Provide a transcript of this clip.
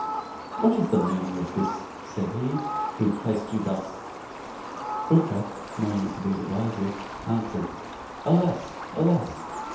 "What is the meaning of this?" said he; "who placed you thus?" Crookback, knowing it to be the vizier. answered, "Alas! alas!